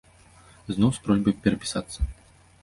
Зноў з просьбай перапісацца.